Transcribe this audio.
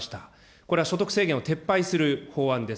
これは所得制限を撤廃する法案です。